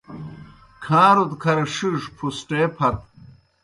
کھاݩرود کھر ݜِیݜوْ پُھسٹے پھت۔